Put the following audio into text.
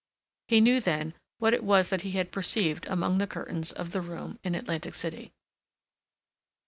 He knew then what it was that he had perceived among the curtains of the room in Atlantic City.